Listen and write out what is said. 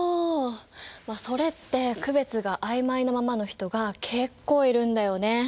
まあそれって区別が曖昧なままの人が結構いるんだよね。